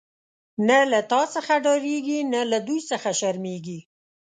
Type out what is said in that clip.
نه له تا څخه ډاریږی، نه له دوی څخه شرمیږی